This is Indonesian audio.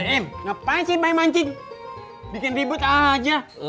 im ngapain sih bayi mancing bikin ribet aja